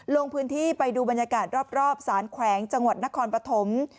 ลงพื้นที่ไปดูบรรยากาศรอบสารแขวงจังหวัดนครปฐม